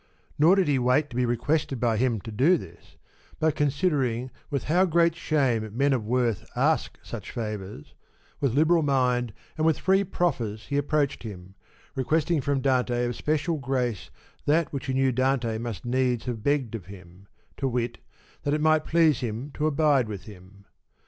Nor did he wait to be requested by him to do this, but considering with how great shame men of worth ask such favours, with liberal mind and with free proffers he approached him, requesting from Dante of special grace that which he knew Dante must needs have begged of him, to wit, that it might please him to abide with him.